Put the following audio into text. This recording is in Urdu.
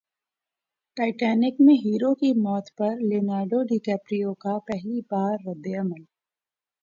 ٹائٹینک میں ہیرو کی موت پر لیونارڈو ڈی کیپریو کا پہلی بار ردعمل